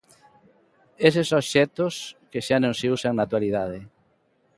Eses obxectos que xa non se usan na actualidade.